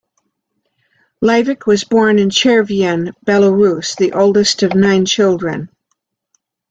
Leivick was born in Chervyen, Belarus, the oldest of nine children.